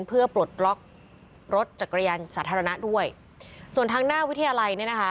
เพื่อปลดล็อกรถจักรยานสาธารณะด้วยส่วนทางหน้าวิทยาลัยเนี่ยนะคะ